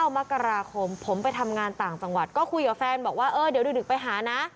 มกราคมผมไปทำงานต่างจังหวัดก็คุยกับแฟนบอกว่าเออเดี๋ยวดึกไปหานะ